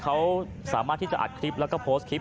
เขาสามารถที่จะอัดคลิปแล้วก็โพสต์คลิป